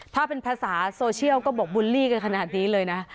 ถ้าเป็นภาษาโซเชียลก็บอกบุลลี่กันขนาดนี้เลยนะ